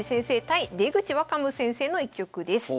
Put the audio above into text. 対出口若武先生の一局です。